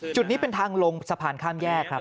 จุดนี้เป็นทางลงสะพานข้ามแยกครับ